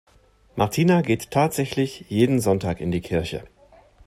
Martina geht tatsächlich jeden Sonntag in die Kirche.